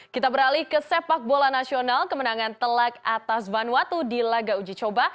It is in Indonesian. kita beralih ke sepak bola nasional kemenangan telak atas vanuatu di laga uji coba